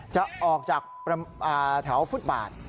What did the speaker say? จะออกจากแถวฟุตบาท